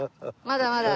まだまだ。